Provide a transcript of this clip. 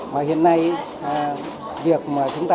và hiện nay việc mà chúng ta đang có những yếu của cái thâu thượng nguồn